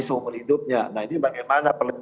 seumur hidupnya nah ini bagaimana